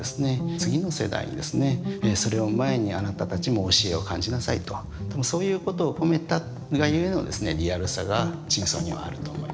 次の世代にですねそれを前にあなたたちも教えを感じなさいとそういうことを込めたがゆえのリアルさが頂相にはあると思います。